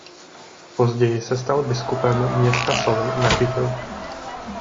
Později se stal biskupem města Soli na Kypru.